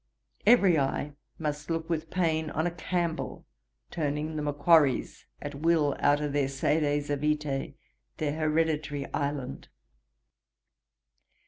Every eye must look with pain on a Campbell turning the Macquarries at will out of their sedes avitæ, their hereditary island.